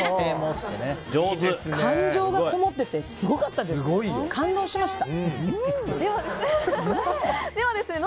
感情がこもっててすごかったですね。